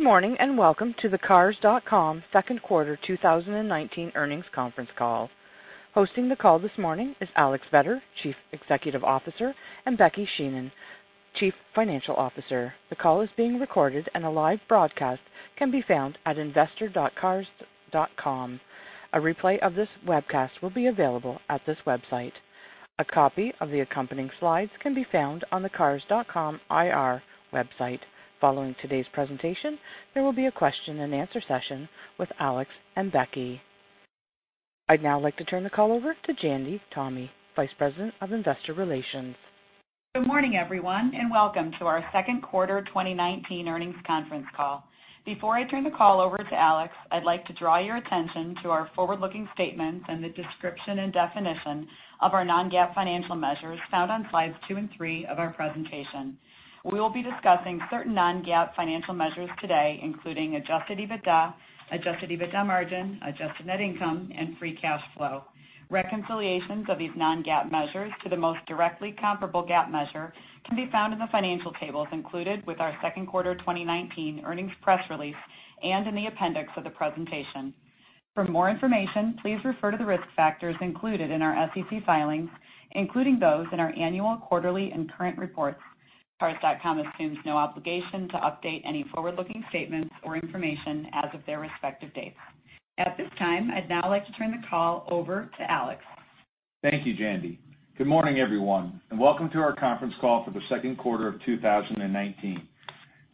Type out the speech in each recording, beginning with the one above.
Good morning, and welcome to the Cars.com second quarter 2019 earnings conference call. Hosting the call this morning is Alex Vetter, Chief Executive Officer, and Becky Sheehan, Chief Financial Officer. The call is being recorded and a live broadcast can be found at investor.cars.com. A replay of this webcast will be available at this website. A copy of the accompanying slides can be found on the Cars.com IR website. Following today's presentation, there will be a question and answer session with Alex and Becky. I'd now like to turn the call over to Jandy Tomy, Vice President of Investor Relations. Good morning, everyone. Welcome to our second quarter 2019 earnings conference call. Before I turn the call over to Alex, I'd like to draw your attention to our forward-looking statements and the description and definition of our non-GAAP financial measures found on slides two and three of our presentation. We will be discussing certain non-GAAP financial measures today, including Adjusted EBITDA, Adjusted EBITDA margin, Adjusted net income, and Free cash flow. Reconciliations of these non-GAAP measures to the most directly comparable GAAP measure can be found in the financial tables included with our second quarter 2019 earnings press release and in the appendix of the presentation. For more information, please refer to the risk factors included in our SEC filings, including those in our annual, quarterly, and current reports. Cars.com assumes no obligation to update any forward-looking statements or information as of their respective dates. At this time, I'd now like to turn the call over to Alex. Thank you, Jandy. Good morning, everyone, and welcome to our conference call for the second quarter of 2019.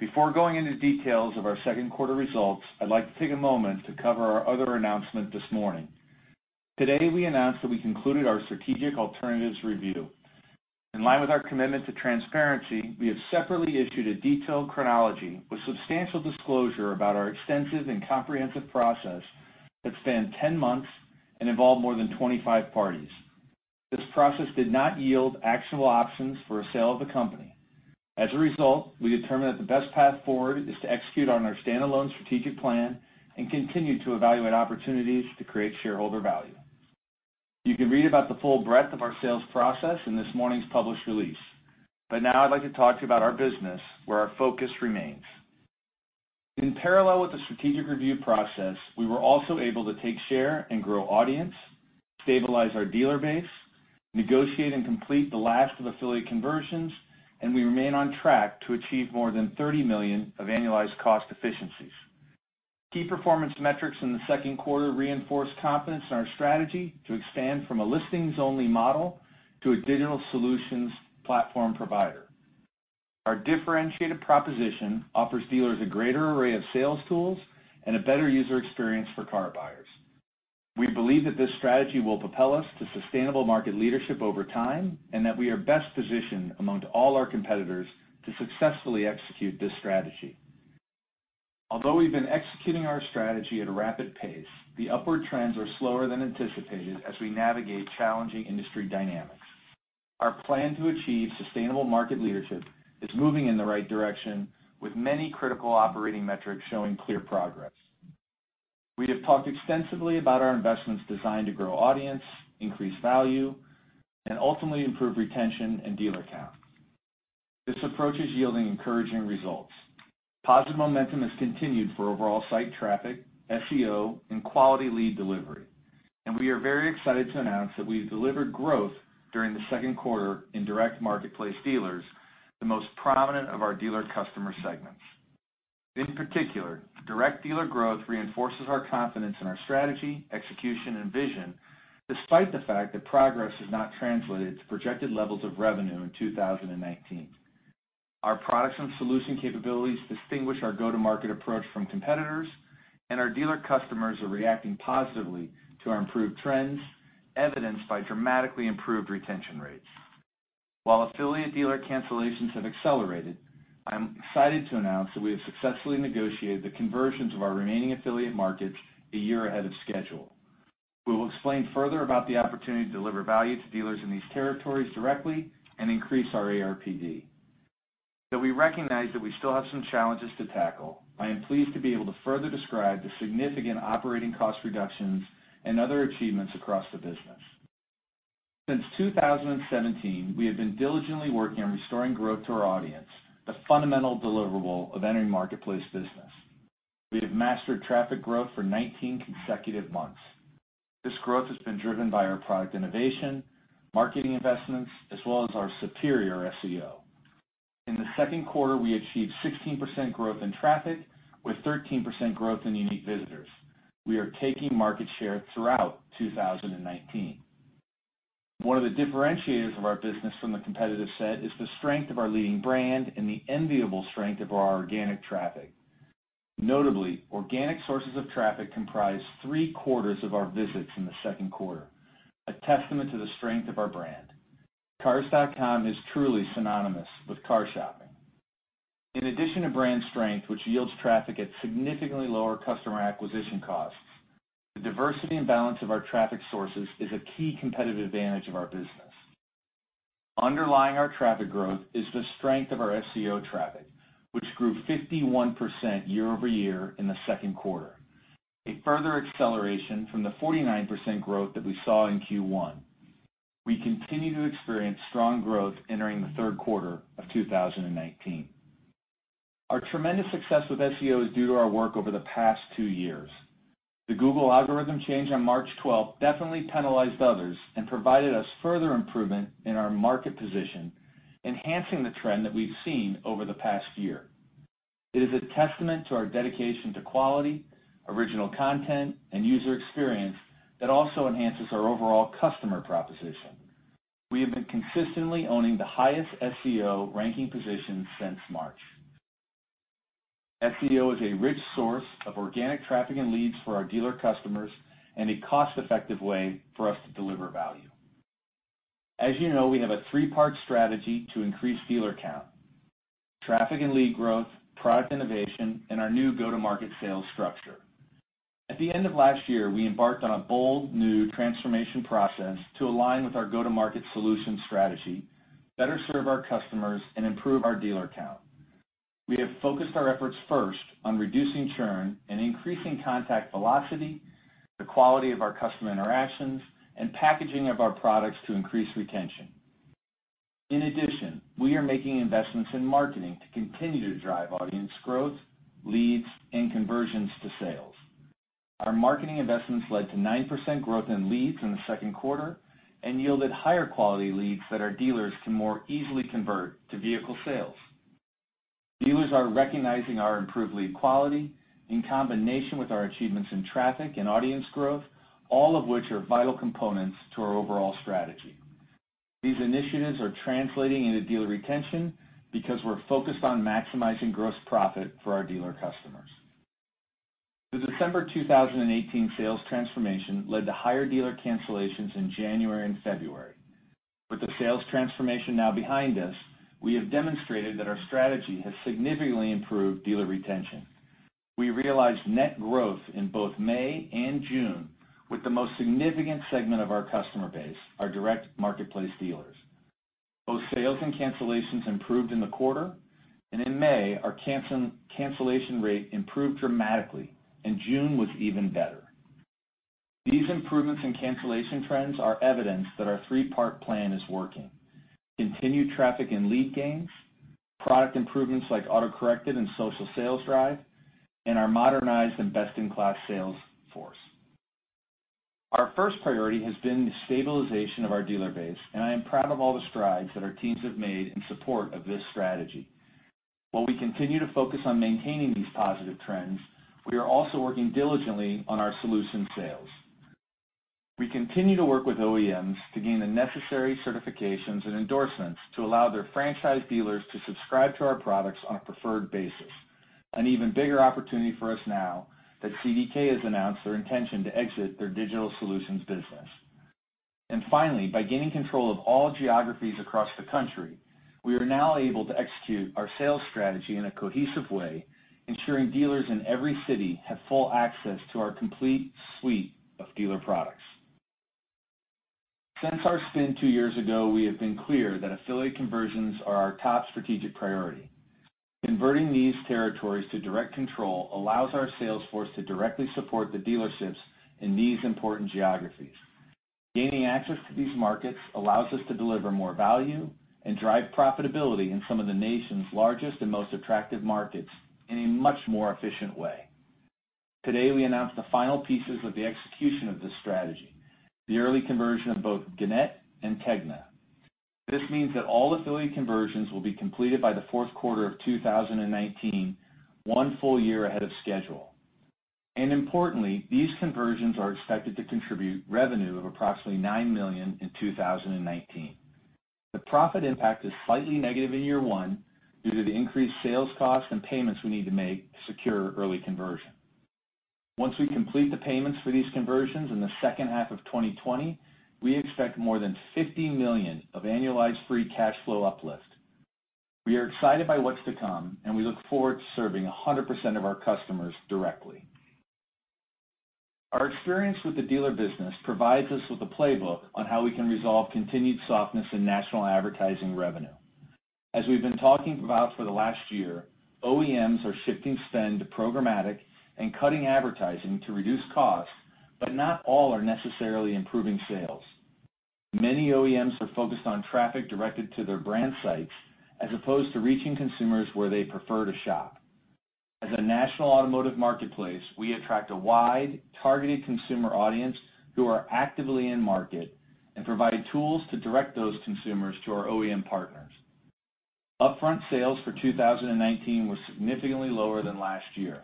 Before going into details of our second quarter results, I'd like to take a moment to cover our other announcement this morning. Today, we announced that we concluded our strategic alternatives review. In line with our commitment to transparency, we have separately issued a detailed chronology with substantial disclosure about our extensive and comprehensive process that spanned 10 months and involved more than 25 parties. This process did not yield actionable options for a sale of the company. As a result, we determined that the best path forward is to execute on our standalone strategic plan and continue to evaluate opportunities to create shareholder value. You can read about the full breadth of our sales process in this morning's published release. Now I'd like to talk to you about our business, where our focus remains. In parallel with the strategic review process, we were also able to take share and grow audience, stabilize our dealer base, negotiate and complete the last of affiliate conversions, and we remain on track to achieve more than $30 million of annualized cost efficiencies. Key performance metrics in the second quarter reinforced confidence in our strategy to expand from a listings-only model to a digital solutions platform provider. Our differentiated proposition offers dealers a greater array of sales tools and a better user experience for car buyers. We believe that this strategy will propel us to sustainable market leadership over time, and that we are best positioned among all our competitors to successfully execute this strategy. Although we've been executing our strategy at a rapid pace, the upward trends are slower than anticipated as we navigate challenging industry dynamics. Our plan to achieve sustainable market leadership is moving in the right direction with many critical operating metrics showing clear progress. We have talked extensively about our investments designed to grow audience, increase value, and ultimately improve retention and dealer count. This approach is yielding encouraging results. Positive momentum has continued for overall site traffic, SEO, and quality lead delivery, and we are very excited to announce that we've delivered growth during the second quarter in direct marketplace dealers, the most prominent of our dealer customer segments. In particular, direct dealer growth reinforces our confidence in our strategy, execution, and vision, despite the fact that progress has not translated to projected levels of revenue in 2019. Our products and solution capabilities distinguish our go-to-market approach from competitors, and our dealer customers are reacting positively to our improved trends, evidenced by dramatically improved retention rates. While affiliate dealer cancellations have accelerated, I am excited to announce that we have successfully negotiated the conversions of our remaining affiliate markets a year ahead of schedule. We will explain further about the opportunity to deliver value to dealers in these territories directly and increase our ARPD. Though we recognize that we still have some challenges to tackle, I am pleased to be able to further describe the significant operating cost reductions and other achievements across the business. Since 2017, we have been diligently working on restoring growth to our audience, the fundamental deliverable of any marketplace business. We have mastered traffic growth for 19 consecutive months. This growth has been driven by our product innovation, marketing investments, as well as our superior SEO. In the second quarter, we achieved 16% growth in traffic with 13% growth in unique visitors. We are taking market share throughout 2019. One of the differentiators of our business from the competitive set is the strength of our leading brand and the enviable strength of our organic traffic. Notably, organic sources of traffic comprised three-quarters of our visits in the second quarter, a testament to the strength of our brand. Cars.com is truly synonymous with car shopping. In addition to brand strength, which yields traffic at significantly lower customer acquisition costs, the diversity and balance of our traffic sources is a key competitive advantage of our business. Underlying our traffic growth is the strength of our SEO traffic, which grew 51% year-over-year in the second quarter, a further acceleration from the 49% growth that we saw in Q1. We continue to experience strong growth entering the third quarter of 2019. Our tremendous success with SEO is due to our work over the past two years. The Google algorithm change on March 12th definitely penalized others and provided us further improvement in our market position, enhancing the trend that we've seen over the past year. It is a testament to our dedication to quality, original content, and user experience that also enhances our overall customer proposition. We have been consistently owning the highest SEO ranking position since March. SEO is a rich source of organic traffic and leads for our dealer customers and a cost-effective way for us to deliver value. As you know, we have a three-part strategy to increase dealer count: traffic and lead growth, product innovation, and our new go-to-market sales structure. At the end of last year, we embarked on a bold new transformation process to align with our go-to-market solution strategy, better serve our customers, and improve our dealer count. We have focused our efforts first on reducing churn and increasing contact velocity, the quality of our customer interactions, and packaging of our products to increase retention. In addition, we are making investments in marketing to continue to drive audience growth, leads, and conversions to sales. Our marketing investments led to 9% growth in leads in the second quarter and yielded higher quality leads that our dealers can more easily convert to vehicle sales. Dealers are recognizing our improved lead quality in combination with our achievements in traffic and audience growth, all of which are vital components to our overall strategy. These initiatives are translating into dealer retention because we're focused on maximizing gross profit for our dealer customers. The December 2018 sales transformation led to higher dealer cancellations in January and February. With the sales transformation now behind us, we have demonstrated that our strategy has significantly improved dealer retention. We realized net growth in both May and June with the most significant segment of our customer base, our direct marketplace dealers. Both sales and cancellations improved in the quarter, and in May, our cancellation rate improved dramatically, and June was even better. These improvements in cancellation trends are evidence that our three-part plan is working. Continued traffic and lead gains, product improvements like AccuTrade and Social Sales Drive, and our modernized and best-in-class sales force. Our first priority has been the stabilization of our dealer base, and I am proud of all the strides that our teams have made in support of this strategy. While we continue to focus on maintaining these positive trends, we are also working diligently on our solution sales. We continue to work with OEMs to gain the necessary certifications and endorsements to allow their franchise dealers to subscribe to our products on a preferred basis, an even bigger opportunity for us now that CDK has announced their intention to exit their digital solutions business. Finally, by gaining control of all geographies across the country, we are now able to execute our sales strategy in a cohesive way, ensuring dealers in every city have full access to our complete suite of dealer products. Since our spin 2 years ago, we have been clear that affiliate conversions are our top strategic priority. Converting these territories to direct control allows our sales force to directly support the dealerships in these important geographies. Gaining access to these markets allows us to deliver more value and drive profitability in some of the nation's largest and most attractive markets in a much more efficient way. Today, we announced the final pieces of the execution of this strategy, the early conversion of both Gannett and TEGNA. This means that all affiliate conversions will be completed by the fourth quarter of 2019, one full year ahead of schedule. Importantly, these conversions are expected to contribute revenue of approximately $9 million in 2019. The profit impact is slightly negative in year one due to the increased sales costs and payments we need to make to secure early conversion. Once we complete the payments for these conversions in the second half of 2020, we expect more than $50 million of annualized free cash flow uplift. We are excited by what's to come, and we look forward to serving 100% of our customers directly. Our experience with the dealer business provides us with a playbook on how we can resolve continued softness in national advertising revenue. As we've been talking about for the last year, OEMs are shifting spend to programmatic and cutting advertising to reduce costs, but not all are necessarily improving sales. Many OEMs are focused on traffic directed to their brand sites as opposed to reaching consumers where they prefer to shop. As a national automotive marketplace, we attract a wide, targeted consumer audience who are actively in-market and provide tools to direct those consumers to our OEM partners. Upfront sales for 2019 were significantly lower than last year.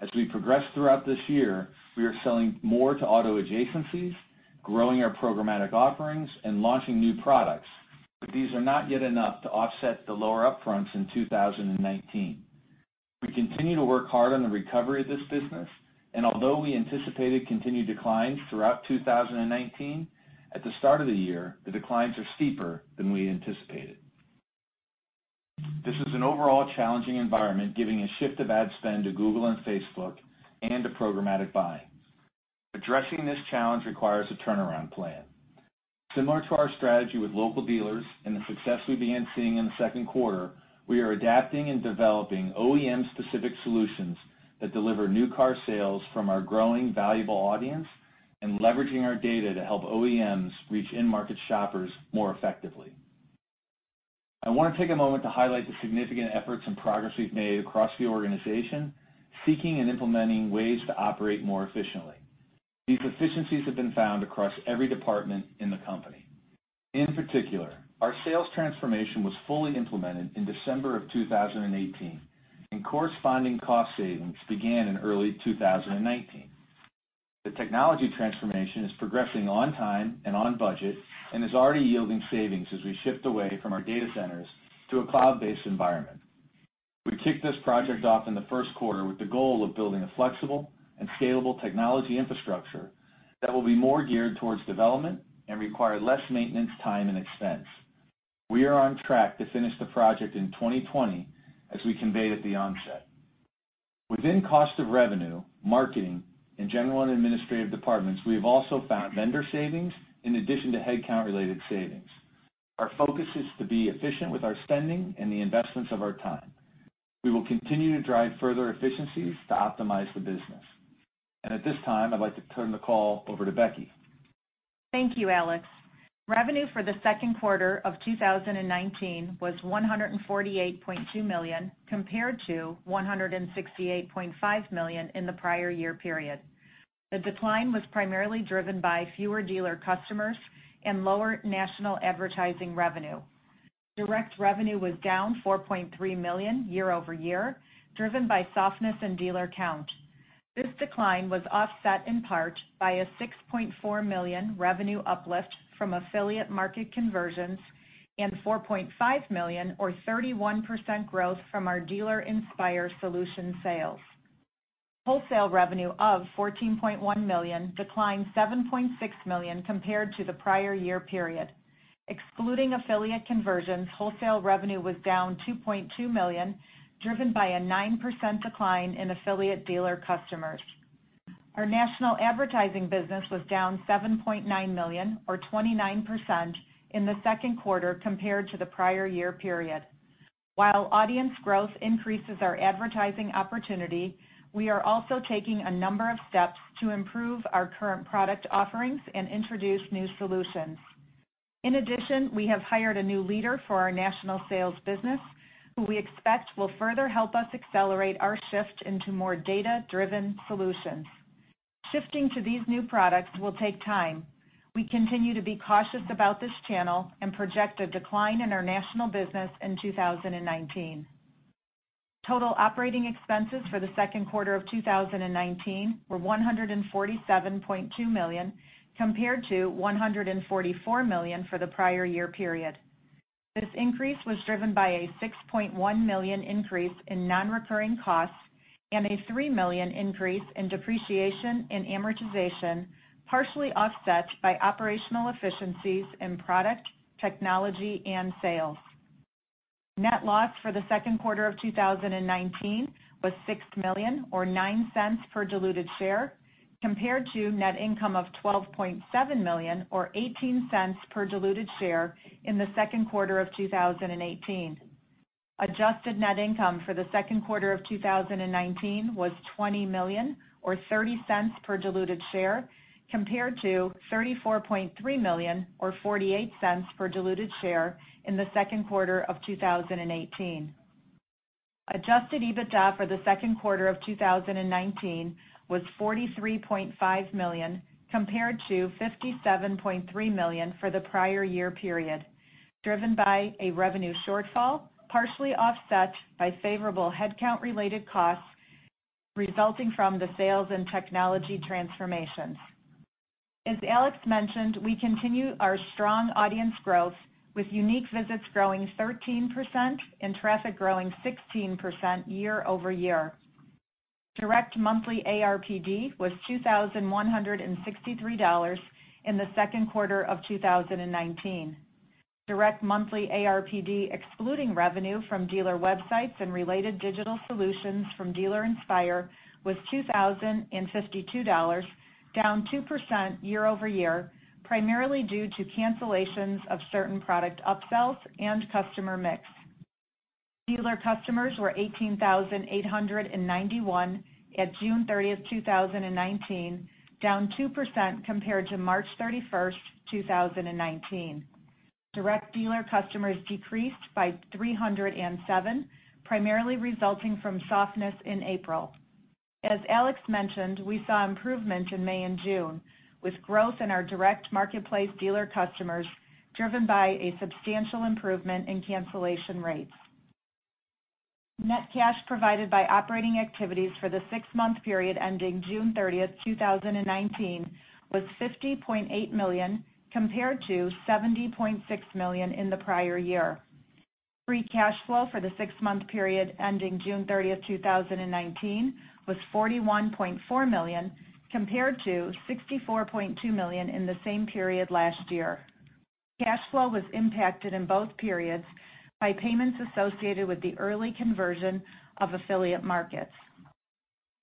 As we progress throughout this year, we are selling more to auto adjacencies, growing our programmatic offerings, and launching new products, but these are not yet enough to offset the lower upfronts in 2019. We continue to work hard on the recovery of this business, and although we anticipated continued declines throughout 2019, at the start of the year, the declines are steeper than we anticipated. This is an overall challenging environment, giving a shift of ad spend to Google and Facebook and to programmatic buying. Addressing this challenge requires a turnaround plan. Similar to our strategy with local dealers and the success we began seeing in the second quarter, we are adapting and developing OEM-specific solutions that deliver new car sales from our growing valuable audience and leveraging our data to help OEMs reach in-market shoppers more effectively. I want to take a moment to highlight the significant efforts and progress we've made across the organization, seeking and implementing ways to operate more efficiently. These efficiencies have been found across every department in the company. In particular, our sales transformation was fully implemented in December 2018, and corresponding cost savings began in early 2019. The technology transformation is progressing on time and on budget and is already yielding savings as we shift away from our data centers to a cloud-based environment. We kicked this project off in the first quarter with the goal of building a flexible and scalable technology infrastructure that will be more geared towards development and require less maintenance time and expense. We are on track to finish the project in 2020, as we conveyed at the onset. Within cost of revenue, marketing, and general and administrative departments, we have also found vendor savings in addition to headcount-related savings. Our focus is to be efficient with our spending and the investments of our time. We will continue to drive further efficiencies to optimize the business. At this time, I'd like to turn the call over to Becky. Thank you, Alex. Revenue for the second quarter of 2019 was $148.2 million, compared to $168.5 million in the prior year period. The decline was primarily driven by fewer dealer customers and lower national advertising revenue. Direct revenue was down $4.3 million year-over-year, driven by softness in dealer count. This decline was offset in part by a $6.4 million revenue uplift from affiliate market conversions and $4.5 million or 31% growth from our Dealer Inspire solution sales. Wholesale revenue of $14.1 million declined $7.6 million compared to the prior year period. Excluding affiliate conversions, wholesale revenue was down $2.2 million, driven by a 9% decline in affiliate dealer customers. Our national advertising business was down $7.9 million or 29% in the second quarter compared to the prior year period. While audience growth increases our advertising opportunity, we are also taking a number of steps to improve our current product offerings and introduce new solutions. In addition, we have hired a new leader for our national sales business, who we expect will further help us accelerate our shift into more data-driven solutions. Shifting to these new products will take time. We continue to be cautious about this channel and project a decline in our national business in 2019. Total operating expenses for the second quarter of 2019 were $147.2 million, compared to $144 million for the prior year period. This increase was driven by a $6.1 million increase in non-recurring costs and a $3 million increase in depreciation and amortization, partially offset by operational efficiencies in product, technology, and sales. Net loss for the second quarter of 2019 was $6 million, or $0.09 per diluted share, compared to net income of $12.7 million, or $0.18 per diluted share in the second quarter of 2018. Adjusted net income for the second quarter of 2019 was $20 million, or $0.30 per diluted share, compared to $34.3 million or $0.48 per diluted share in the second quarter of 2018. Adjusted EBITDA for the second quarter of 2019 was $43.5 million compared to $57.3 million for the prior year period, driven by a revenue shortfall, partially offset by favorable headcount-related costs resulting from the sales and technology transformations. As Alex mentioned, we continue our strong audience growth, with unique visits growing 13% and traffic growing 16% year-over-year. Direct monthly ARPD was $2,163 in the second quarter of 2019. Direct monthly ARPD, excluding revenue from dealer websites and related digital solutions from Dealer Inspire, was $2,052, down 2% year-over-year, primarily due to cancellations of certain product upsells and customer mix. Dealer customers were 18,891 at June 30th, 2019, down 2% compared to March 31st, 2019. Direct dealer customers decreased by 307, primarily resulting from softness in April. As Alex mentioned, we saw improvement in May and June, with growth in our direct marketplace dealer customers driven by a substantial improvement in cancellation rates. Net cash provided by operating activities for the six-month period ending June 30th, 2019 was $50.8 million, compared to $70.6 million in the prior year. Free cash flow for the six-month period ending June 30th, 2019 was $41.4 million, compared to $64.2 million in the same period last year. Cash flow was impacted in both periods by payments associated with the early conversion of affiliate markets.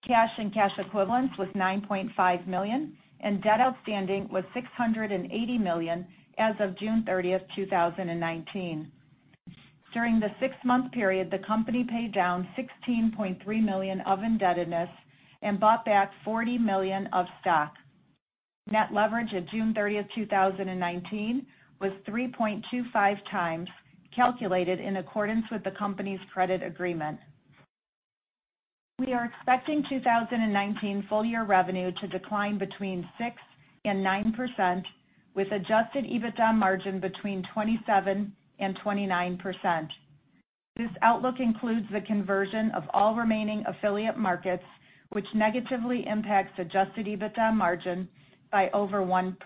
Cash and cash equivalents was $9.5 million, and debt outstanding was $680 million as of June 30th, 2019. During the six-month period, the company paid down $16.3 million of indebtedness and bought back $40 million of stock. Net leverage at June 30th, 2019 was 3.25 times calculated in accordance with the company's credit agreement. We are expecting 2019 full year revenue to decline between 6% and 9%, with Adjusted EBITDA margin between 27% and 29%. This outlook includes the conversion of all remaining affiliate markets, which negatively impacts Adjusted EBITDA margin by over 1%.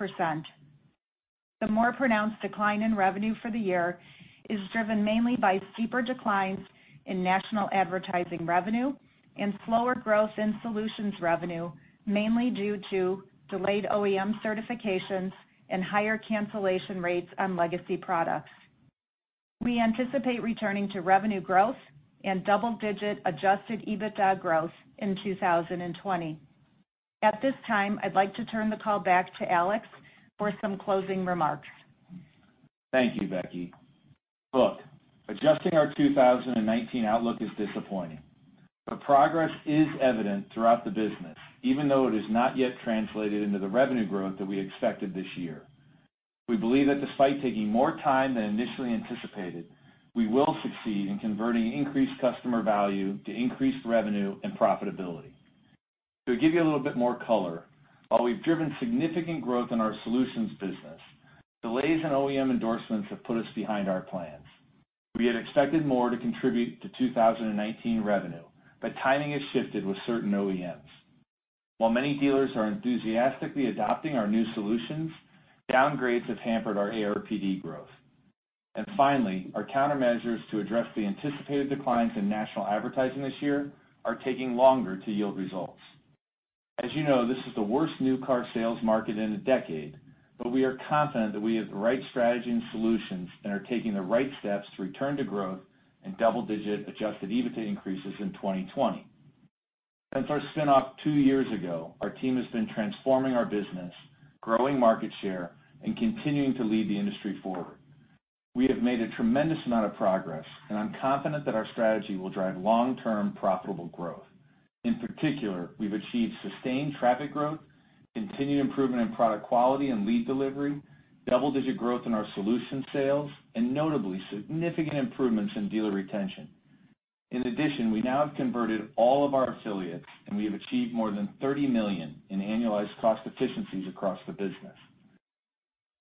The more pronounced decline in revenue for the year is driven mainly by steeper declines in national advertising revenue and slower growth in solutions revenue, mainly due to delayed OEM certifications and higher cancellation rates on legacy products. We anticipate returning to revenue growth and double-digit Adjusted EBITDA growth in 2020. At this time, I'd like to turn the call back to Alex for some closing remarks. Thank you, Becky. Look, adjusting our 2019 outlook is disappointing, but progress is evident throughout the business, even though it is not yet translated into the revenue growth that we expected this year. We believe that despite taking more time than initially anticipated, we will succeed in converting increased customer value to increased revenue and profitability. To give you a little bit more color, while we've driven significant growth in our solutions business, delays in OEM endorsements have put us behind our plans. We had expected more to contribute to 2019 revenue, but timing has shifted with certain OEMs. While many dealers are enthusiastically adopting our new solutions, downgrades have hampered our ARPD growth. Finally, our countermeasures to address the anticipated declines in national advertising this year are taking longer to yield results. As you know, this is the worst new car sales market in a decade, but we are confident that we have the right strategy and solutions and are taking the right steps to return to growth and double-digit Adjusted EBITDA increases in 2020. Since our spin-off two years ago, our team has been transforming our business, growing market share, and continuing to lead the industry forward. We have made a tremendous amount of progress, and I'm confident that our strategy will drive long-term profitable growth. In particular, we've achieved sustained traffic growth, continued improvement in product quality and lead delivery, double-digit growth in our solution sales, and notably significant improvements in dealer retention. In addition, we now have converted all of our affiliates, and we have achieved more than $30 million in annualized cost efficiencies across the business.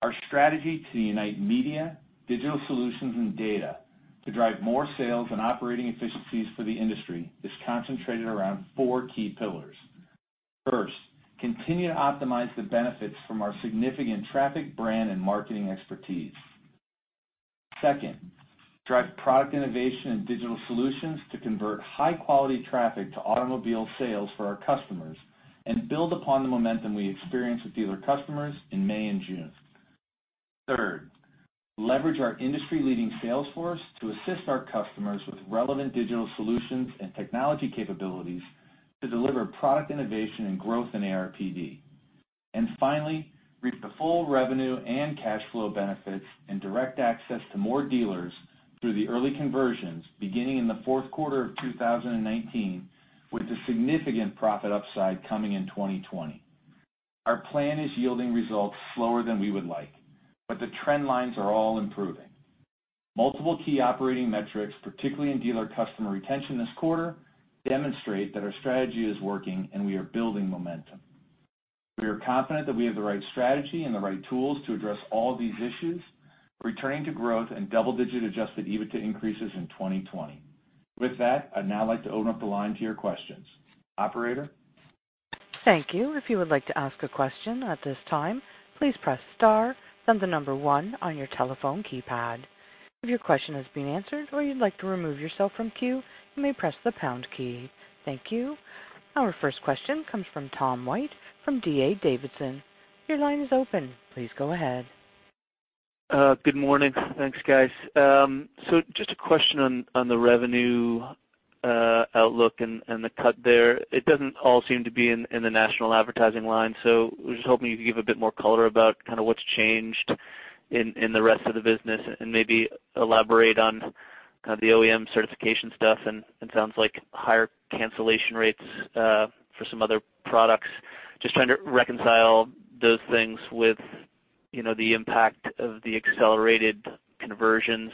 Our strategy to unite media, digital solutions, and data to drive more sales and operating efficiencies for the industry is concentrated around four key pillars. First, continue to optimize the benefits from our significant traffic brand and marketing expertise. Second, drive product innovation and digital solutions to convert high-quality traffic to automobile sales for our customers and build upon the momentum we experienced with dealer customers in May and June. Third, leverage our industry-leading sales force to assist our customers with relevant digital solutions and technology capabilities to deliver product innovation and growth in ARPD. Finally, reap the full revenue and cash flow benefits and direct access to more dealers through the early conversions beginning in the fourth quarter of 2019, with a significant profit upside coming in 2020. Our plan is yielding results slower than we would like, but the trend lines are all improving. Multiple key operating metrics, particularly in dealer customer retention this quarter, demonstrate that our strategy is working and we are building momentum. We are confident that we have the right strategy and the right tools to address all these issues, returning to growth and double-digit Adjusted EBITDA increases in 2020. With that, I'd now like to open up the line to your questions. Operator? Thank you. If you would like to ask a question at this time, please press star, then the number 1 on your telephone keypad. If your question has been answered or you'd like to remove yourself from queue, you may press the pound key. Thank you. Our first question comes from Tom White from D.A. Davidson. Your line is open. Please go ahead. Good morning. Thanks, guys. Just a question on the revenue outlook and the cut there. It doesn't all seem to be in the national advertising line, so I was just hoping you could give a bit more color about kind of what's changed in the rest of the business and maybe elaborate on kind of the OEM certification stuff and it sounds like higher cancellation rates for some other products. Just trying to reconcile those things with the impact of the accelerated conversions,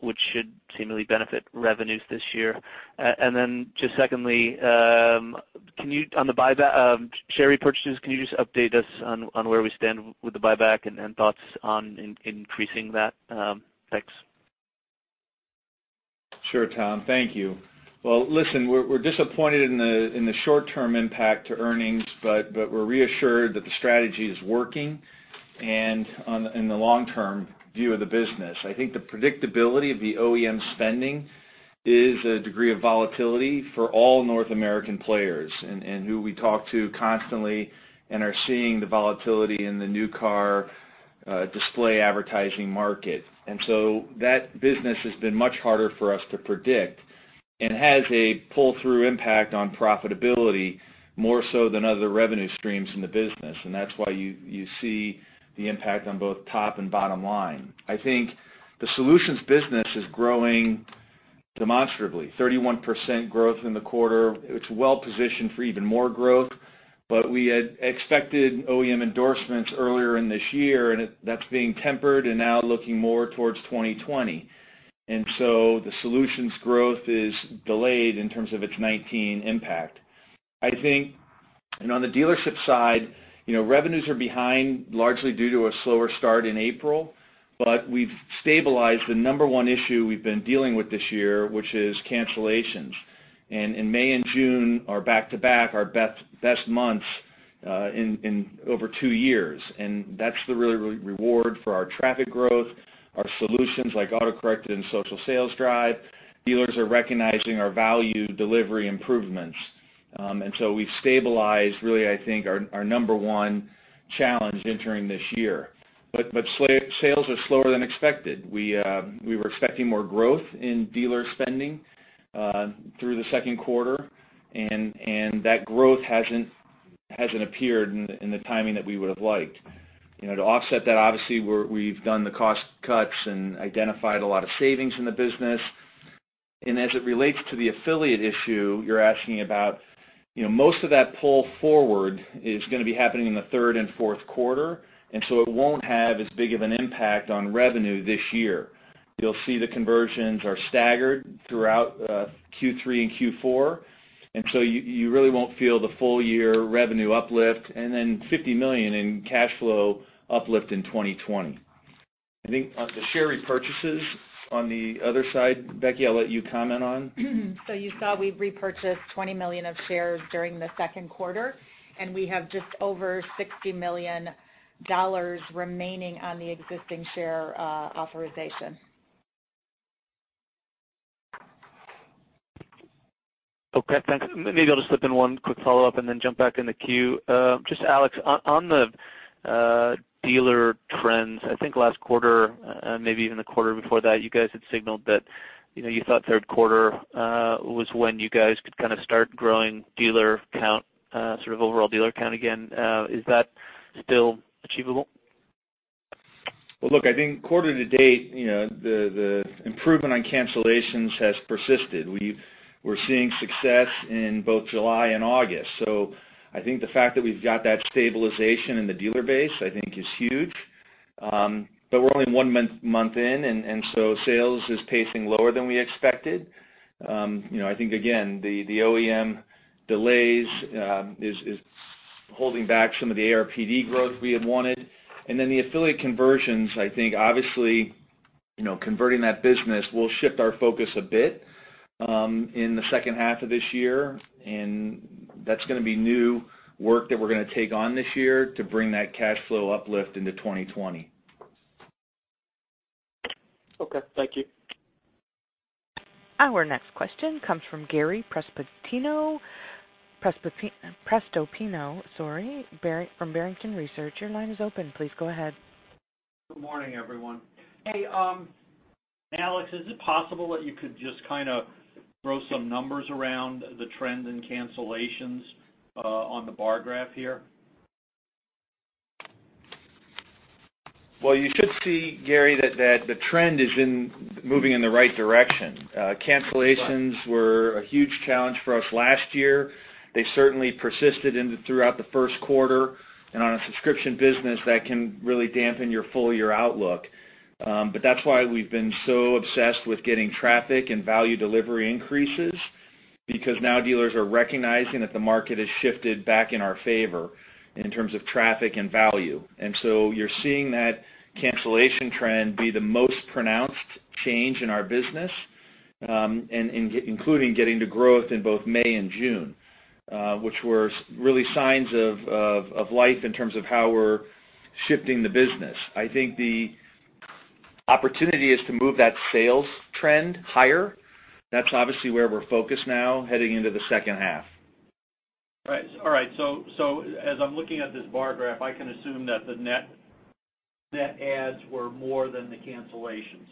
which should seemingly benefit revenues this year. Then just secondly, on the share repurchases, can you just update us on where we stand with the buyback and thoughts on increasing that? Thanks. Sure, Tom. Thank you. Listen, we're disappointed in the short-term impact to earnings, we're reassured that the strategy is working and in the long-term view of the business. I think the predictability of the OEM spending is a degree of volatility for all North American players who we talk to constantly and are seeing the volatility in the new car display advertising market. That business has been much harder for us to predict and has a pull-through impact on profitability more so than other revenue streams in the business, that's why you see the impact on both top and bottom line. I think the solutions business is growing demonstrably. 31% growth in the quarter. It's well-positioned for even more growth. We had expected OEM endorsements earlier in this year, that's being tempered and now looking more towards 2020. The solutions growth is delayed in terms of its 2019 impact, I think. On the dealership side, revenues are behind largely due to a slower start in April, but we've stabilized the number one issue we've been dealing with this year, which is cancellations. In May and June are back to back, our best months in over two years, and that's the really reward for our traffic growth, our solutions like AccuTrade and Social Sales Drive. Dealers are recognizing our value delivery improvements. We've stabilized really, I think, our number one challenge entering this year. Sales are slower than expected. We were expecting more growth in dealer spending through the second quarter, and that growth hasn't appeared in the timing that we would've liked. To offset that, obviously, we've done the cost cuts and identified a lot of savings in the business. As it relates to the affiliate issue you're asking about, most of that pull forward is going to be happening in the third and fourth quarter, and so it won't have as big of an impact on revenue this year. You'll see the conversions are staggered throughout Q3 and Q4, and so you really won't feel the full year revenue uplift, and then $50 million in cash flow uplift in 2020. I think on the share repurchases on the other side, Becky, I'll let you comment on. You saw we repurchased 20 million of shares during the second quarter, and we have just over $60 million remaining on the existing share authorization. Okay, thanks. Maybe I'll just slip in one quick follow-up and then jump back in the queue. Just Alex, on the dealer trends, I think last quarter, maybe even the quarter before that, you guys had signaled that you thought third quarter was when you guys could kind of start growing dealer count, sort of overall dealer count again. Is that still achievable? Look, I think quarter to date, the improvement on cancellations has persisted. We're seeing success in both July and August. I think the fact that we've got that stabilization in the dealer base, I think is huge. We're only one month in, sales is pacing lower than we expected. I think, again, the OEM delays is holding back some of the ARPD growth we had wanted. The affiliate conversions, I think, obviously, converting that business will shift our focus a bit in the second half of this year. That's going to be new work that we're going to take on this year to bring that cash flow uplift into 2020. Okay, thank you. Our next question comes from Gary Prestopino from Barrington Research. Your line is open. Please go ahead. Good morning, everyone. Hey, Alex, is it possible that you could just kind of throw some numbers around the trend in cancellations on the bar graph here? Well, you should see, Gary, that the trend is moving in the right direction. Cancellations. Right were a huge challenge for us last year. They certainly persisted in throughout the first quarter. On a subscription business, that can really dampen your full year outlook. That's why we've been so obsessed with getting traffic and value delivery increases because now dealers are recognizing that the market has shifted back in our favor in terms of traffic and value. You're seeing that cancellation trend be the most pronounced change in our business, including getting to growth in both May and June, which were really signs of life in terms of how we're shifting the business. I think the opportunity is to move that sales trend higher. That's obviously where we're focused now heading into the second half. All right. As I'm looking at this bar graph, I can assume that the net adds were more than the cancellations.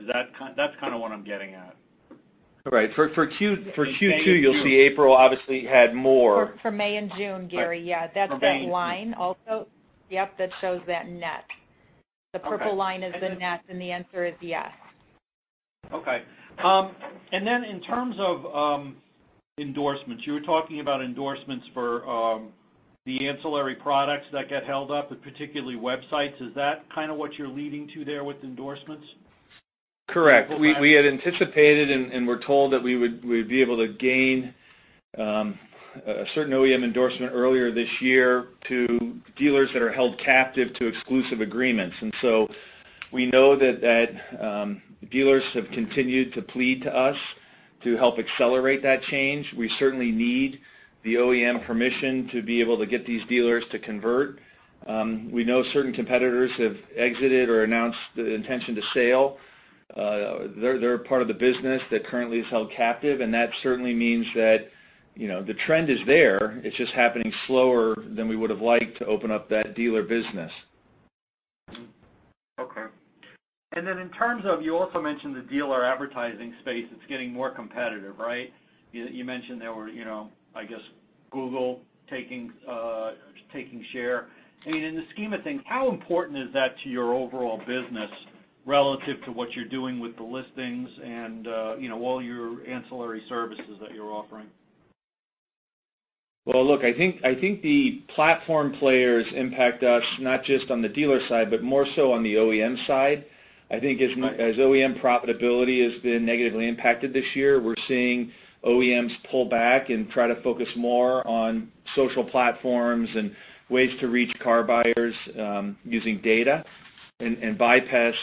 That's kind of what I'm getting at. All right. For Q2- For May and June You'll see April obviously had more. For May and June, Gary, yeah. Right. For May and June. That's that line also. Yep, that shows that net. Okay. The purple line is the net. The answer is yes. Okay. Then in terms of endorsements, you were talking about endorsements for the ancillary products that get held up, and particularly websites. Is that kind of what you're leading to there with endorsements? Correct. Okay. We had anticipated and were told that we would be able to gain a certain OEM endorsement earlier this year to dealers that are held captive to exclusive agreements. We know that dealers have continued to plead to us to help accelerate that change. We certainly need the OEM permission to be able to get these dealers to convert. We know certain competitors have exited or announced the intention to sell. They're part of the business that currently is held captive, and that certainly means that the trend is there. It's just happening slower than we would've liked to open up that dealer business. Okay. In terms of, you also mentioned the dealer advertising space, it's getting more competitive, right? You mentioned there were Google taking share. In the scheme of things, how important is that to your overall business relative to what you're doing with the listings and all your ancillary services that you're offering? Look, I think the platform players impact us not just on the dealer side, but more so on the OEM side. I think as OEM profitability has been negatively impacted this year, we're seeing OEMs pull back and try to focus more on social platforms and ways to reach car buyers using data, and bypass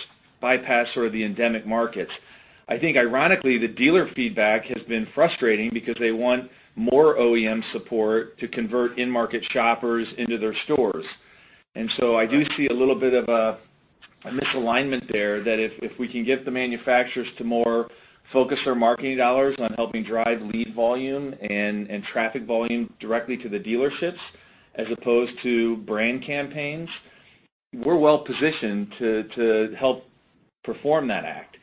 sort of the endemic markets. I think ironically, the dealer feedback has been frustrating because they want more OEM support to convert in-market shoppers into their stores. I do see a little bit of a misalignment there that if we can get the manufacturers to more focus their marketing dollars on helping drive lead volume and traffic volume directly to the dealerships as opposed to brand campaigns, we're well positioned to help perform that act.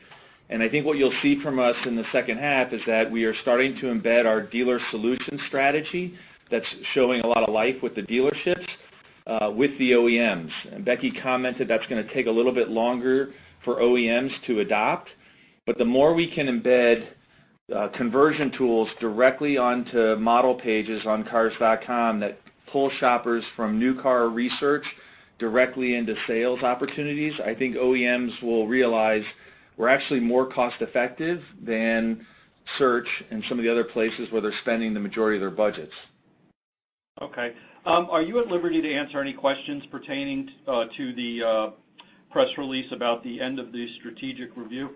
I think what you'll see from us in the second half is that we are starting to embed our dealer solution strategy that's showing a lot of life with the dealerships, with the OEMs. Becky commented that's going to take a little bit longer for OEMs to adopt. The more we can embed conversion tools directly onto model pages on cars.com that pull shoppers from new car research directly into sales opportunities, I think OEMs will realize we're actually more cost effective than search and some of the other places where they're spending the majority of their budgets. Okay. Are you at liberty to answer any questions pertaining to the press release about the end of the strategic review?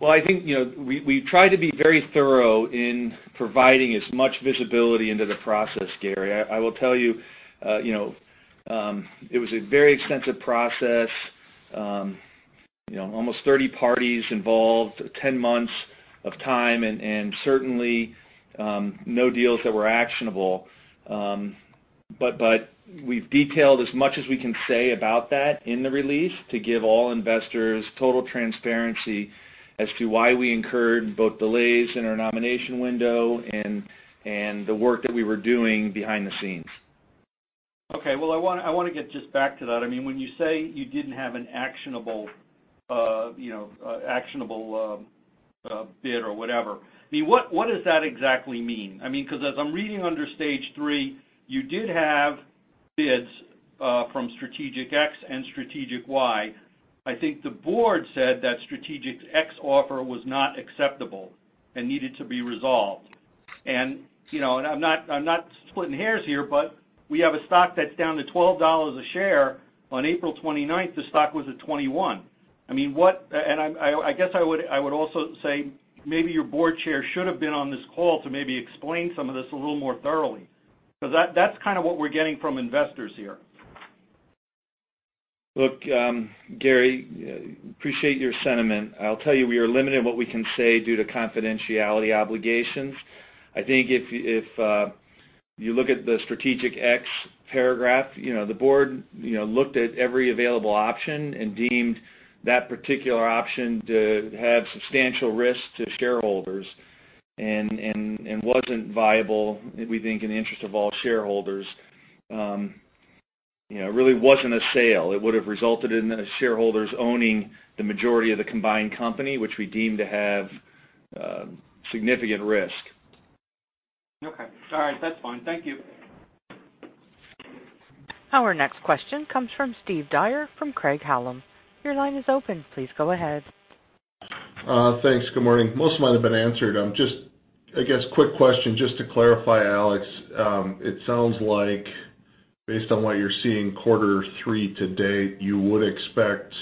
Well, I think, we tried to be very thorough in providing as much visibility into the process, Gary. I will tell you, it was a very extensive process, almost 30 parties involved, 10 months of time, and certainly, no deals that were actionable. We've detailed as much as we can say about that in the release to give all investors total transparency as to why we incurred both delays in our nomination window and the work that we were doing behind the scenes. Well, I want to get just back to that. When you say you didn't have an actionable bid or whatever, what does that exactly mean? As I'm reading under stage 3, you did have bids from strategic X and strategic Y. I think the board said that strategic X offer was not acceptable and needed to be resolved. I'm not splitting hairs here, but we have a stock that's down to $12 a share. On April 29th, the stock was at $21. I guess I would also say maybe your Board Chair should have been on this call to maybe explain some of this a little more thoroughly, because that's kind of what we're getting from investors here. Look, Gary, appreciate your sentiment. I'll tell you, we are limited in what we can say due to confidentiality obligations. I think if you look at the strategic X paragraph, the board looked at every available option and deemed that particular option to have substantial risk to shareholders and wasn't viable, we think, in the interest of all shareholders. It really wasn't a sale. It would have resulted in the shareholders owning the majority of the combined company, which we deemed to have significant risk. Okay. All right. That's fine. Thank you. Our next question comes from Steve Dyer from Craig-Hallum. Your line is open. Please go ahead. Thanks. Good morning. Most of mine have been answered. I guess quick question just to clarify, Alex. It sounds like based on what you're seeing quarter three to date, you would expect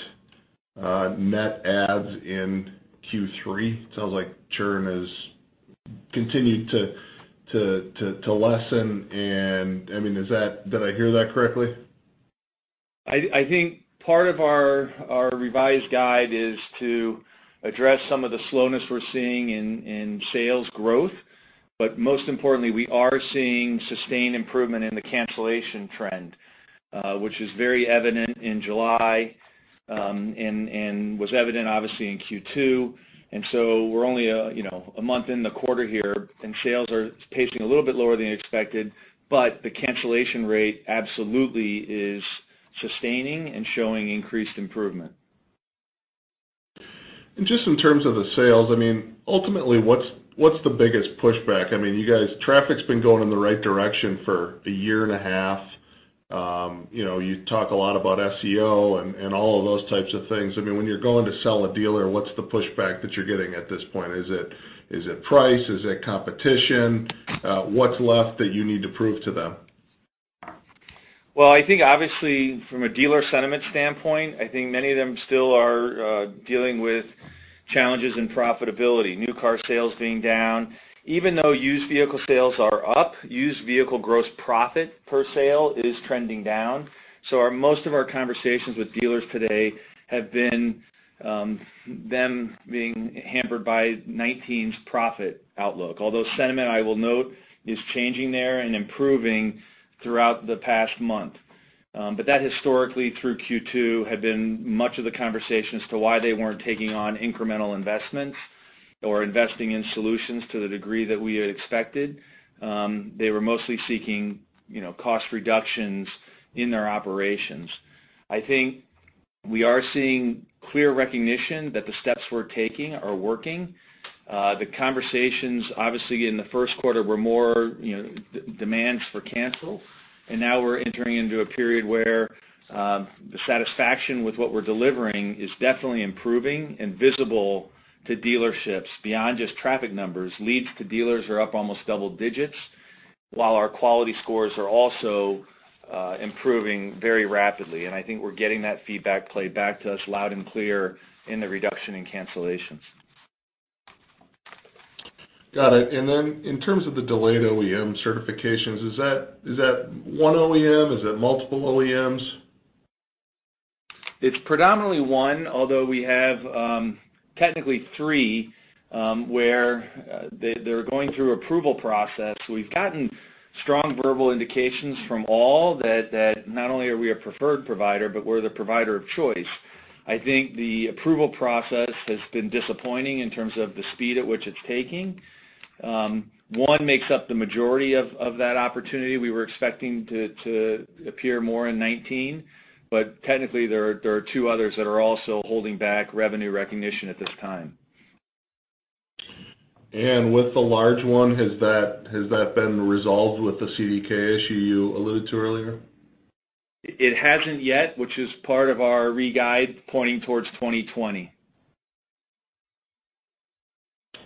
net adds in Q3. Sounds like churn has continued to lessen, did I hear that correctly? I think part of our revised guide is to address some of the slowness we're seeing in sales growth. Most importantly, we are seeing sustained improvement in the cancellation trend, which was very evident in July, and was evident obviously in Q2. We're only a month in the quarter here, and sales are pacing a little bit lower than expected, but the cancellation rate absolutely is sustaining and showing increased improvement. Just in terms of the sales, ultimately, what's the biggest pushback? You guys, traffic's been going in the right direction for a year and a half. You talk a lot about SEO and all of those types of things. When you're going to sell a dealer, what's the pushback that you're getting at this point? Is it price? Is it competition? What's left that you need to prove to them? I think obviously from a dealer sentiment standpoint, I think many of them still are dealing with challenges in profitability, new car sales being down. Even though used vehicle sales are up, used vehicle gross profit per sale is trending down. Most of our conversations with dealers today have been them being hampered by 2019's profit outlook. Although sentiment, I will note, is changing there and improving throughout the past month. That historically through Q2 had been much of the conversation as to why they weren't taking on incremental investments or investing in solutions to the degree that we had expected. They were mostly seeking cost reductions in their operations. I think we are seeing clear recognition that the steps we're taking are working. The conversations, obviously, in the first quarter were more demands for cancel. Now we're entering into a period where the satisfaction with what we're delivering is definitely improving and visible to dealerships beyond just traffic numbers. Leads to dealers are up almost double digits, while our quality scores are also improving very rapidly. I think we're getting that feedback played back to us loud and clear in the reduction in cancellations. Got it. In terms of the delayed OEM certifications, is that one OEM? Is it multiple OEMs? It's predominantly one, although we have technically three, where they're going through approval process. We've gotten strong verbal indications from all that not only are we a preferred provider, but we're the provider of choice. I think the approval process has been disappointing in terms of the speed at which it's taking. One makes up the majority of that opportunity. We were expecting to appear more in 2019, but technically there are two others that are also holding back revenue recognition at this time. With the large one, has that been resolved with the CDK issue you alluded to earlier? It hasn't yet, which is part of our re-guide pointing towards 2020.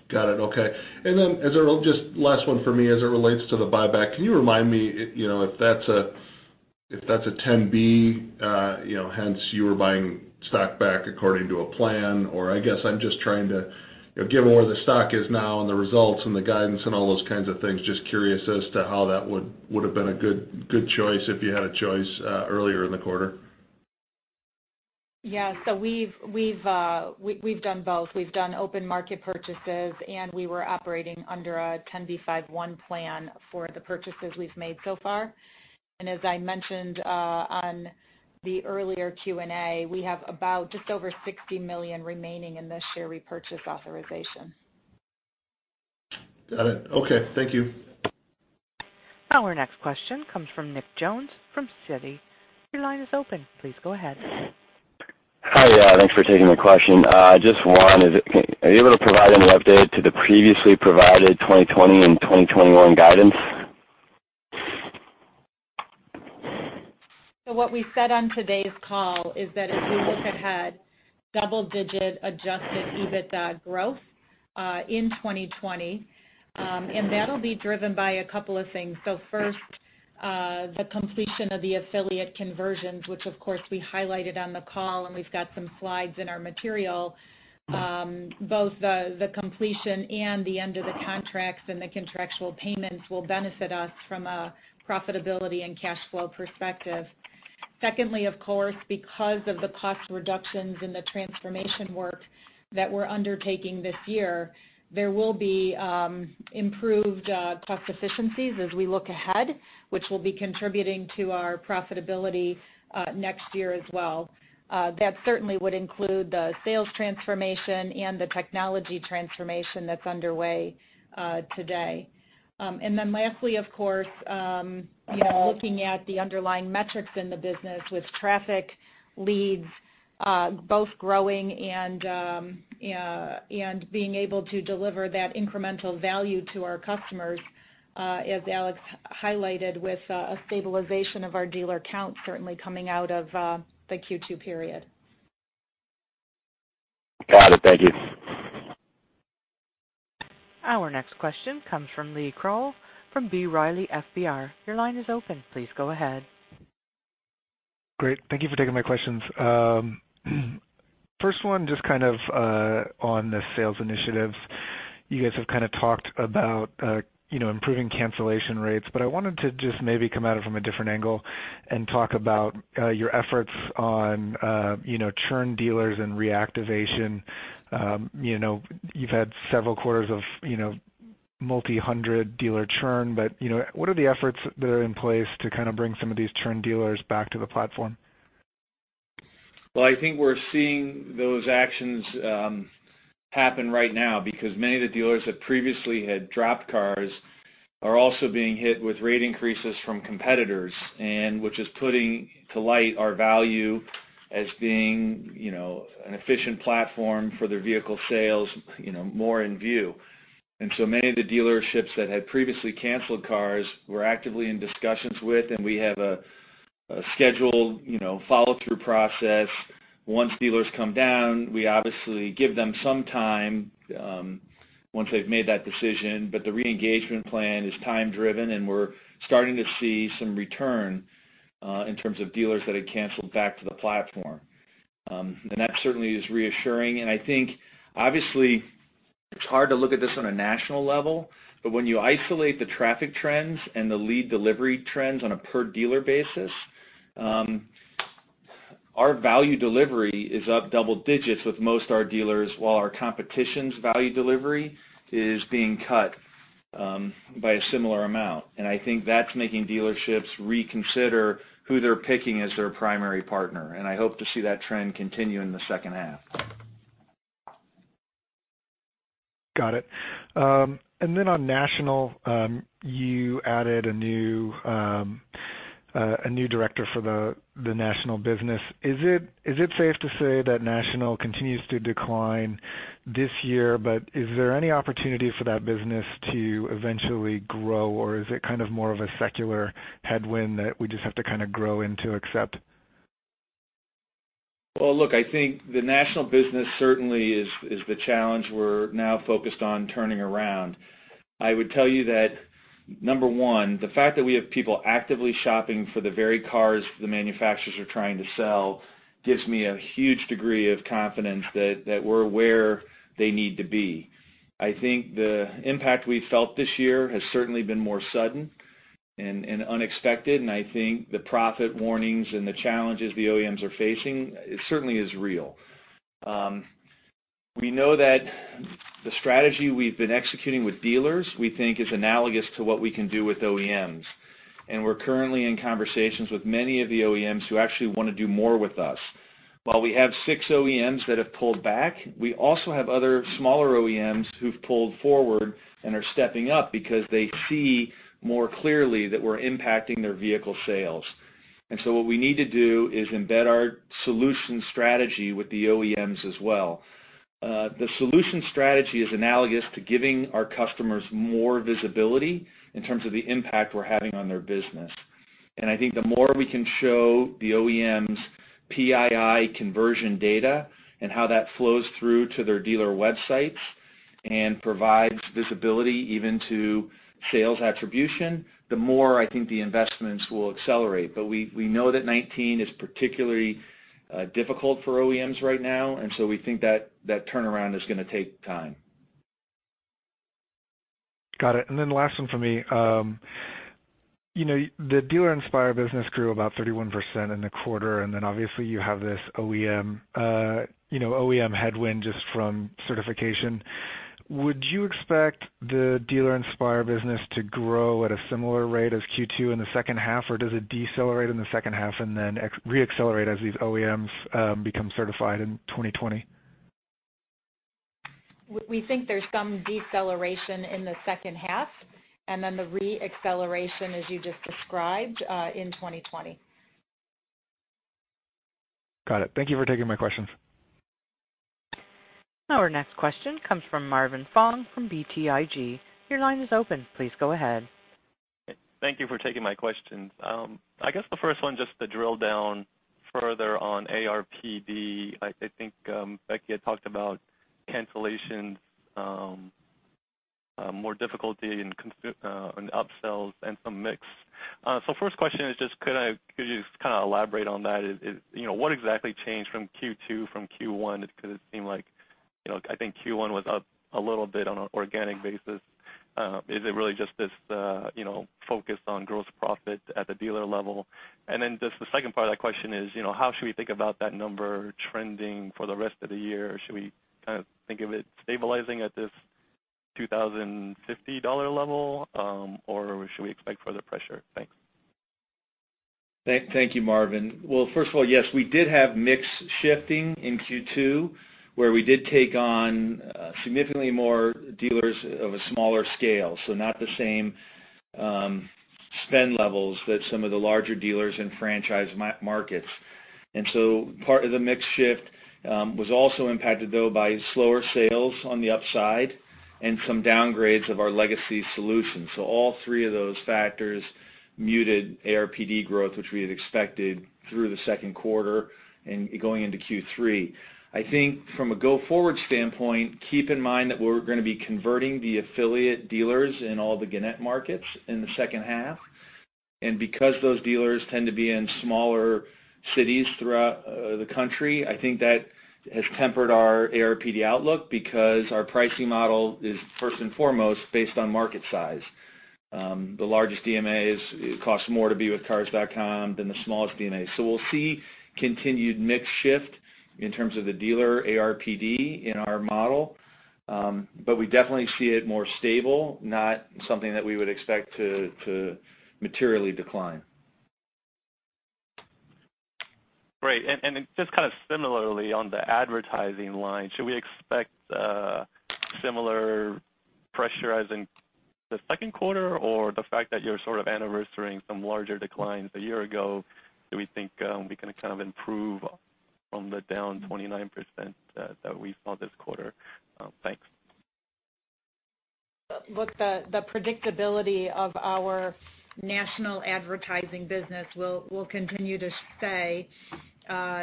Got it. Okay. Just last one for me as it relates to the buyback. Can you remind me if that's a 10b, hence you were buying stock back according to a plan. Given where the stock is now and the results and the guidance and all those kinds of things, just curious as to how that would have been a good choice if you had a choice earlier in the quarter. Yeah. We've done both. We've done open market purchases, and we were operating under a 10b5-1 plan for the purchases we've made so far. As I mentioned, on the earlier Q&A, we have about just over $60 million remaining in this share repurchase authorization. Got it. Okay. Thank you. Our next question comes from Nick Jones from Citi. Your line is open. Please go ahead. Hi. Thanks for taking my question. Just one, are you able to provide any update to the previously provided 2020 and 2021 guidance? What we said on today's call is that as we look ahead, double-digit Adjusted EBITDA growth in 2020. That'll be driven by a couple of things. First, the completion of the affiliate conversions, which of course, we highlighted on the call, and we've got some slides in our material. Both the completion and the end of the contracts and the contractual payments will benefit us from a profitability and cash flow perspective. Secondly, of course, because of the cost reductions and the transformation work that we're undertaking this year, there will be improved cost efficiencies as we look ahead, which will be contributing to our profitability next year as well. That certainly would include the sales transformation and the technology transformation that's underway today. Lastly, of course, looking at the underlying metrics in the business with traffic leads, both growing and being able to deliver that incremental value to our customers, as Alex highlighted, with a stabilization of our dealer count certainly coming out of the Q2 period. Got it. Thank you. Our next question comes from Lee Krowl from B. Riley FBR. Your line is open. Please go ahead. Great. Thank you for taking my questions. First one, just on the sales initiatives. You guys have talked about improving cancellation rates, I wanted to just maybe come at it from a different angle and talk about your efforts on churn dealers and reactivation. You've had several quarters of multi-hundred dealer churn. What are the efforts that are in place to bring some of these churn dealers back to the platform? I think we're seeing those actions happen right now because many of the dealers that previously had dropped Cars.com are also being hit with rate increases from competitors. Which is putting to light our value as being an efficient platform for their vehicle sales more in view. Many of the dealerships that had previously canceled Cars.com we're actively in discussions with, and we have a scheduled follow-through process. Once dealers come down, we obviously give them some time once they've made that decision. The re-engagement plan is time driven, and we're starting to see some return in terms of dealers that had canceled back to the platform. That certainly is reassuring. I think obviously it's hard to look at this on a national level, but when you isolate the traffic trends and the lead delivery trends on a per dealer basis. Our value delivery is up double digits with most our dealers, while our competition's value delivery is being cut by a similar amount. I think that's making dealerships reconsider who they're picking as their primary partner, and I hope to see that trend continue in the second half. Got it. Then on National, you added a new director for the National business. Is it safe to say that National continues to decline this year, but is there any opportunity for that business to eventually grow or is it more of a secular headwind that we just have to grow into accept? Well, look, I think the national business certainly is the challenge we're now focused on turning around. I would tell you that, number 1, the fact that we have people actively shopping for the very cars the manufacturers are trying to sell gives me a huge degree of confidence that we're where they need to be. I think the impact we felt this year has certainly been more sudden and unexpected, I think the profit warnings and the challenges the OEMs are facing certainly is real. We know that the strategy we've been executing with dealers, we think is analogous to what we can do with OEMs. We're currently in conversations with many of the OEMs who actually want to do more with us. While we have six OEMs that have pulled back, we also have other smaller OEMs who've pulled forward and are stepping up because they see more clearly that we're impacting their vehicle sales. What we need to do is embed our solution strategy with the OEMs as well. The solution strategy is analogous to giving our customers more visibility in terms of the impact we're having on their business. I think the more we can show the OEMs PII conversion data and how that flows through to their dealer websites and provides visibility even to sales attribution, the more I think the investments will accelerate. We know that 2019 is particularly difficult for OEMs right now, we think that that turnaround is going to take time. Got it. Last one from me. The Dealer Inspire business grew about 31% in the quarter, and then obviously you have this OEM headwind just from certification. Would you expect the Dealer Inspire business to grow at a similar rate as Q2 in the second half, or does it decelerate in the second half and then re-accelerate as these OEMs become certified in 2020? We think there's some deceleration in the second half, and then the re-acceleration, as you just described, in 2020. Got it. Thank you for taking my questions. Our next question comes from Marvin Fong from BTIG. Your line is open. Please go ahead. Thank you for taking my questions. I guess the first one, just to drill down further on ARPD, I think Becky had talked about cancellations, more difficulty in up-sells and some mix. First question is just could you elaborate on that? What exactly changed from Q2 from Q1? It seemed like, I think Q1 was up a little bit on an organic basis. Is it really just this focus on gross profit at the dealer level? Just the second part of that question is how should we think about that number trending for the rest of the year? Should we think of it stabilizing at this $2,050 level, or should we expect further pressure? Thanks. Thank you, Marvin. First of all, yes, we did have mix shifting in Q2 where we did take on significantly more dealers of a smaller scale. Not the same spend levels that some of the larger dealers in franchise markets. Part of the mix shift was also impacted, though, by slower sales on the upside and some downgrades of our legacy solutions. All three of those factors muted ARPD growth, which we had expected through the second quarter and going into Q3. I think from a go-forward standpoint, keep in mind that we're going to be converting the affiliate dealers in all the Gannett markets in the second half. Because those dealers tend to be in smaller cities throughout the country, I think that has tempered our ARPD outlook because our pricing model is first and foremost based on market size. The largest DMAs, it costs more to be with Cars.com than the smallest DMA. We'll see continued mix shift in terms of the dealer ARPD in our model. We definitely see it more stable, not something that we would expect to materially decline. Great. Just similarly on the advertising line, should we expect similar pressure as in the second quarter or the fact that you're anniversarying some larger declines a year ago, do we think we can improve from the down 29% that we saw this quarter? Thanks. Look, the predictability of our national advertising business we'll continue to say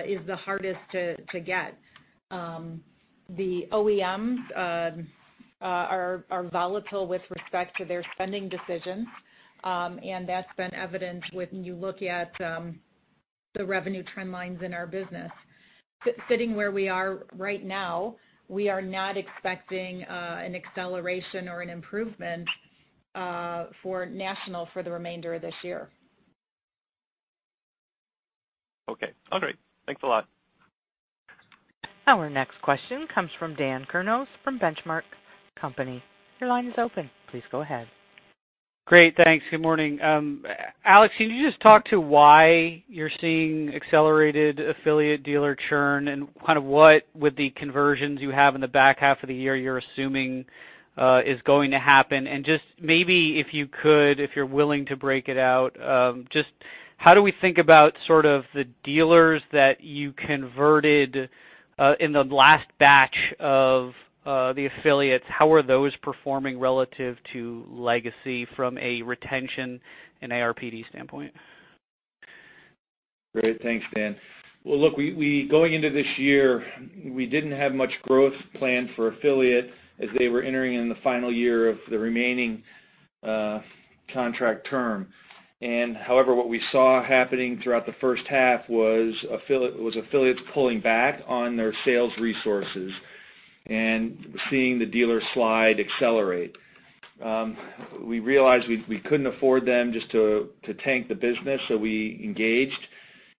is the hardest to get. The OEMs are volatile with respect to their spending decisions, that's been evidenced when you look at the revenue trend lines in our business. Sitting where we are right now, we are not expecting an acceleration or an improvement for national for the remainder of this year. Okay, all right. Thanks a lot. Our next question comes from Dan Kurnos from The Benchmark Company. Your line is open. Please go ahead. Great, thanks. Good morning. Alex, can you just talk to why you're seeing accelerated affiliate dealer churn and what, with the conversions you have in the back half of the year, you're assuming is going to happen? Just maybe if you could, if you're willing to break it out, just how do we think about the dealers that you converted in the last batch of the affiliates? How are those performing relative to legacy from a retention and ARPD standpoint? Great. Thanks, Dan. Look, going into this year, we didn't have much growth planned for affiliate as they were entering in the final year of the remaining contract term. However, what we saw happening throughout the first half was affiliates pulling back on their sales resources and seeing the dealer slide accelerate. We realized we couldn't afford them just to tank the business, so we engaged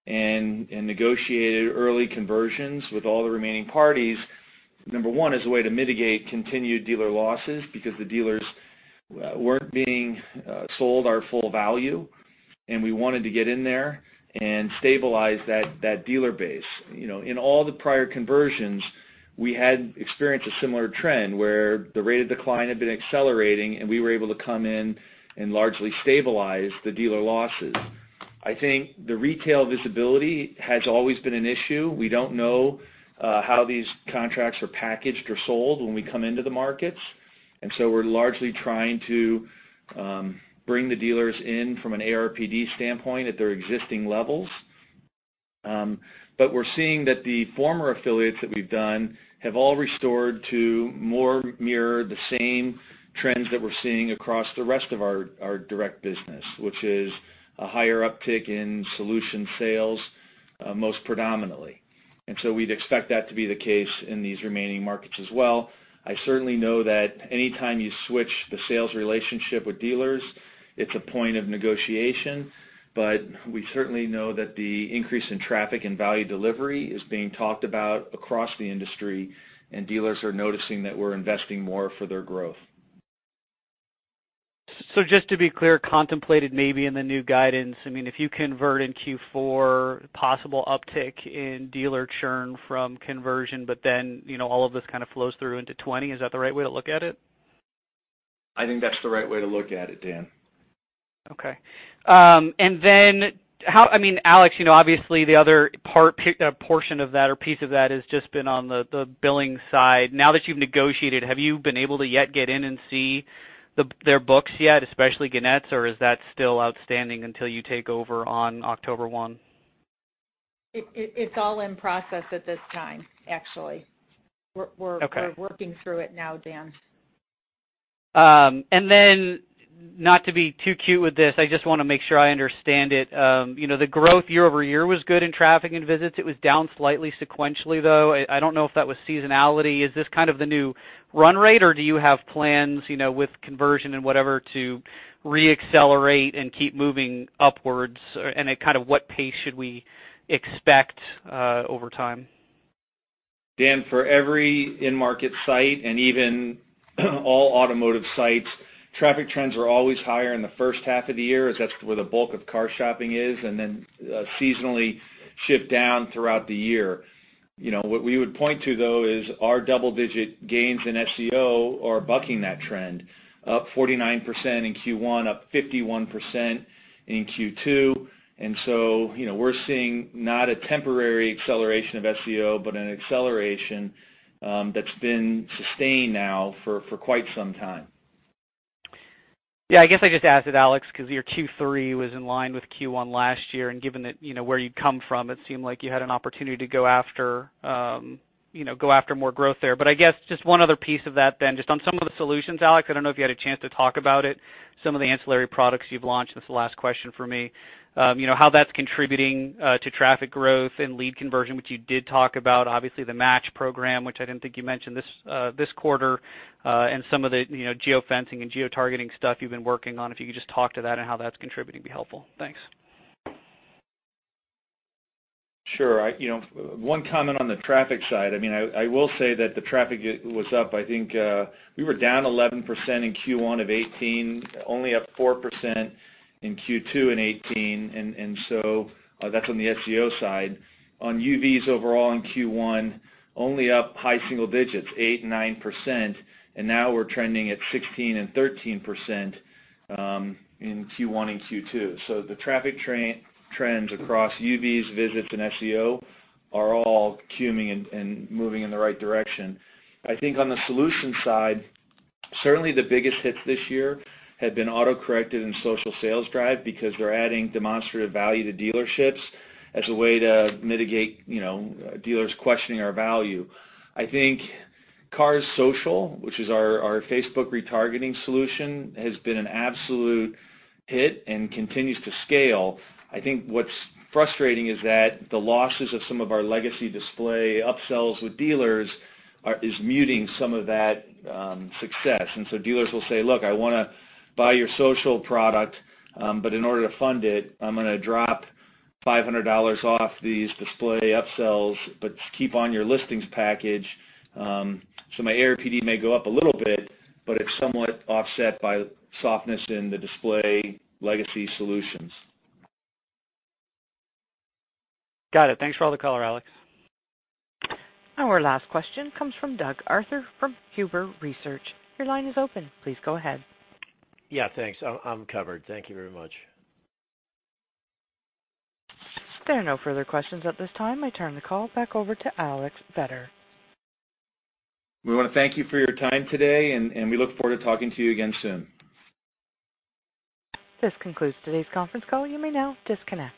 and negotiated early conversions with all the remaining parties. Number one, as a way to mitigate continued dealer losses because the dealers weren't being sold our full value, and we wanted to get in there and stabilize that dealer base. In all the prior conversions, we had experienced a similar trend where the rate of decline had been accelerating, and we were able to come in and largely stabilize the dealer losses. I think the retail visibility has always been an issue. We don't know how these contracts are packaged or sold when we come into the markets, and so we're largely trying to bring the dealers in from an ARPD standpoint at their existing levels. We're seeing that the former affiliates that we've done have all restored to more mirror the same trends that we're seeing across the rest of our direct business, which is a higher uptick in solution sales, most predominantly. We'd expect that to be the case in these remaining markets as well. I certainly know that any time you switch the sales relationship with dealers, it's a point of negotiation. We certainly know that the increase in traffic and value delivery is being talked about across the industry, and dealers are noticing that we're investing more for their growth. Just to be clear, contemplated maybe in the new guidance, if you convert in Q4, possible uptick in dealer churn from conversion, but then all of this kind of flows through into 2020. Is that the right way to look at it? I think that's the right way to look at it, Dan. Okay. Alex, obviously the other portion of that or piece of that has just been on the billing side. Now that you've negotiated, have you been able to yet get in and see their books yet, especially Gannett's, or is that still outstanding until you take over on October 1? It's all in process at this time, actually. Okay. We're working through it now, Dan. Not to be too cute with this, I just want to make sure I understand it. The growth year-over-year was good in traffic and visits. It was down slightly sequentially, though. I don't know if that was seasonality. Is this kind of the new run rate, or do you have plans with conversion and whatever to re-accelerate and keep moving upwards? At what pace should we expect over time? Dan, for every in-market site and even all automotive sites, traffic trends are always higher in the first half of the year as that's where the bulk of car shopping is, and then seasonally shift down throughout the year. What we would point to, though, is our double-digit gains in SEO are bucking that trend. Up 49% in Q1, up 51% in Q2. We're seeing not a temporary acceleration of SEO, but an acceleration that's been sustained now for quite some time. Yeah, I guess I just asked it, Alex, because your Q3 was in line with Q1 last year, and given that where you'd come from, it seemed like you had an opportunity to go after more growth there. I guess just one other piece of that then. Just on some of the solutions, Alex, I don't know if you had a chance to talk about it, some of the ancillary products you've launched. This is the last question from me. How that's contributing to traffic growth and lead conversion, which you did talk about, obviously, the Match program, which I didn't think you mentioned this quarter, and some of the geofencing and geotargeting stuff you've been working on. If you could just talk to that and how that's contributing, it'd be helpful. Thanks. Sure. One comment on the traffic side. I will say that the traffic was up. I think we were down 11% in Q1 of 2018, only up 4% in Q2 in 2018. That's on the SEO side. On UVs overall in Q1, only up high single digits, 8%, 9%. Now we're trending at 16% and 13% in Q1 and Q2. The traffic trends across UVs, visits, and SEO are all coming and moving in the right direction. I think on the solution side, certainly the biggest hits this year have been AccuTrade and Social Sales Drive because they're adding demonstrative value to dealerships as a way to mitigate dealers questioning our value. I think Cars Social, which is our Facebook retargeting solution, has been an absolute hit and continues to scale. I think what's frustrating is that the losses of some of our legacy display upsells with dealers is muting some of that success. Dealers will say, "Look, I want to buy your social product, but in order to fund it, I'm going to drop $500 off these display upsells but keep on your listings package." My ARPD may go up a little bit, but it's somewhat offset by softness in the display legacy solutions. Got it. Thanks for all the color, Alex. Our last question comes from Doug Arthur from Huber Research. Your line is open. Please go ahead. Yeah, thanks. I'm covered. Thank you very much. There are no further questions at this time. I turn the call back over to Alex Vetter. We want to thank you for your time today, and we look forward to talking to you again soon. This concludes today's conference call. You may now disconnect.